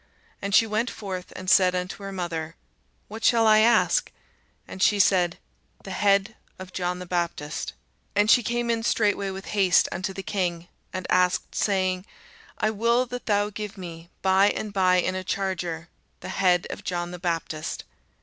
And she went forth, and said unto her mother, What shall I ask? And she said, The head of John the Baptist. And she came in straightway with haste unto the king, and asked, saying, I will that thou give me by and by in a charger the head of John the Baptist.